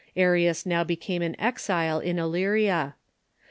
Arius now became an exile in Illyria.